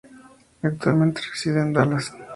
Actualmente reside en Dallas.